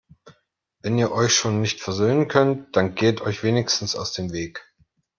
Wenn ihr euch schon nicht versöhnen könnt, dann geht euch wenigstens aus dem Weg!